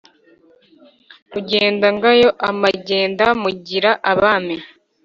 rugenda ngayo amagenda mugira abami.